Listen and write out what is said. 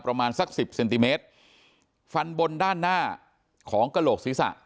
ประมาณสักสิบเซนติเมตรฟันบนด้านหน้าของกระโหลกศีรษะ